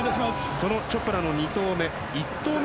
そのチョプラの２投目。